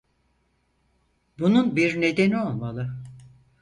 Bunun bir nedeni olmalı.